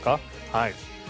はい。